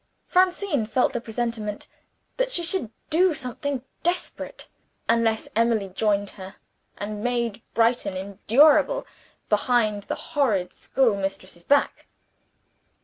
Francine felt a presentiment that she should do something desperate, unless Emily joined her, and made Brighton endurable behind the horrid schoolmistress's back."